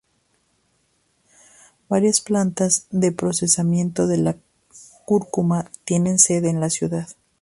Varias plantas de procesamiento de la cúrcuma tienen sede en la ciudad.